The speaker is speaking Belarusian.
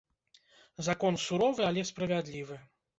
Закон суровы, але справядлівы.